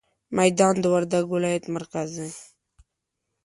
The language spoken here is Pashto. ميدان د وردګ ولايت مرکز دی.